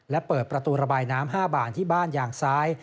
และเปิดประตูระบายน้ำ๕บานที่บ้านยางซ้าย